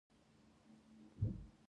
سپورت د خپل ژوند برخه وګرځوئ.